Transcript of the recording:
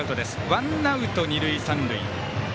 ワンアウト、二塁三塁。